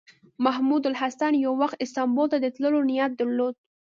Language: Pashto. محمود الحسن یو وخت استانبول ته د تللو نیت درلود.